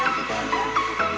masa dulu saya mau makan kue balok